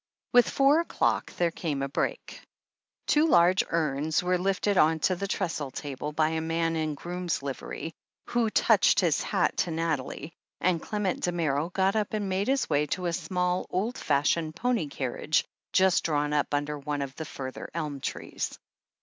With four o'clock there came a break. Two large urns were lifted on to the trestle table by a man in groom's livery, who touched his hat to Nathalie, and Clement Damerel got up and made his way to a small, old fashioned pony carriage just drawn up under one of the further elm trees.